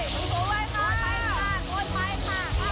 ทุกไว้มา